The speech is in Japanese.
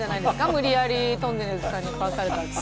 無理やりとんねるずさんに買わされたって。